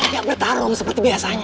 ya bertarung seperti biasanya